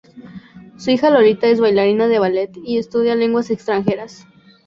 Su hija Lolita es bailarina de ballet y estudia lenguas extranjeras.